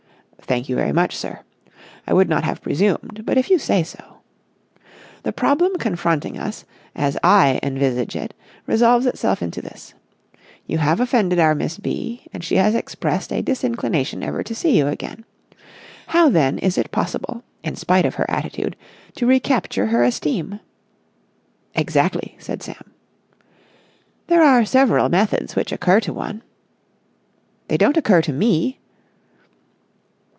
"Thank you very much, sir. I would not have presumed, but if you say so.... The problem confronting us, as I envisage it, resolves itself into this. You have offended our Miss B. and she has expressed a disinclination ever to see you again. How, then, is it possible, in spite of her attitude, to recapture her esteem?" "Exactly," said Sam. "There are several methods which occur to one...." "They don't occur to _me!